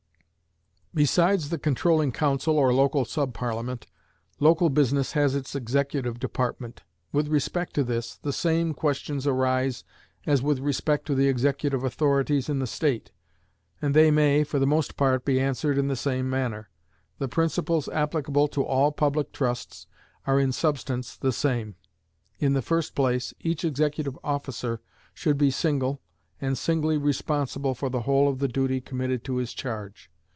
Besides the controlling council or local sub Parliament, local business has its executive department. With respect to this, the same questions arise as with respect to the executive authorities in the state, and they may, for the most part, be answered in the same manner. The principles applicable to all public trusts are in substance the same. In the first place, each executive officer should be single, and singly responsible for the whole of the duty committed to his charge.